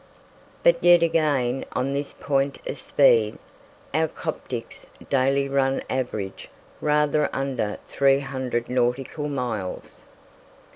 But yet again, on this point of speed, our "Coptic's" daily run averaged rather under 300 nautical miles.